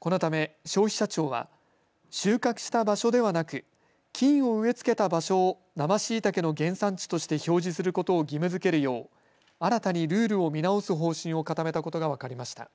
このため、消費者庁は収穫した場所ではなく、菌を植え付けた場所を生しいたけの原産地として表示することを義務づけるよう新たにルールを見直す方針を固めたことが分かりました。